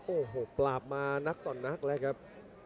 โอ้โหปราบมานักต่อนักแล้วครับ